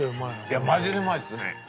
いやマジでうまいですね。